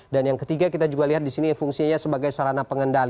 dan yang ketiga kita juga lihat di sini fungsinya sebagai sarana pengendali